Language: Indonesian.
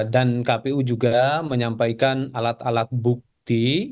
dan kpu juga menyampaikan alat alat bukti